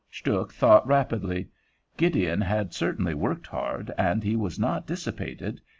Stuhk thought rapidly. Gideon had certainly worked hard, and he was not dissipated.